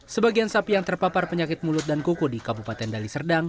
sebagian sapi yang terpapar penyakit mulut dan kuku di kabupaten dali serdang